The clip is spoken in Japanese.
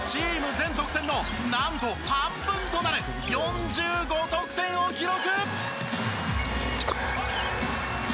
全得点の何と半分となる４５得点を記録。